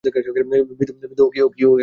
বিধু, ও কী ও!